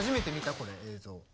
これ映像。